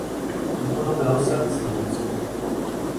Dejó numerosa descendencia.